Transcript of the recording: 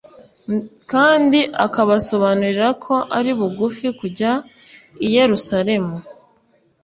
kandi akabasobanurira ko ari bugufi kujya i Yerusalemu,